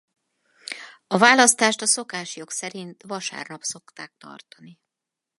A választást a szokásjog szerint vasárnap szokták tartani.